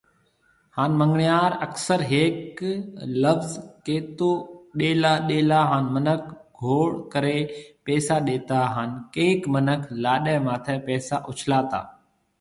هان منڱڻهار اڪثر هيڪ لفظ ڪيتو ڏيلا ڏيلا هان منک گھور ڪري پئسا ڏيتا هان ڪئينڪ منک لاڏي ماٿي پئسا اُڇلاتا